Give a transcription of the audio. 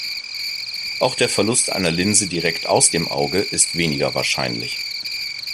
Auch der Verlust einer Linse direkt aus dem Auge ist weniger wahrscheinlich.